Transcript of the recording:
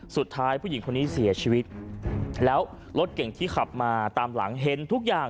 ผู้หญิงคนนี้เสียชีวิตแล้วรถเก่งที่ขับมาตามหลังเห็นทุกอย่าง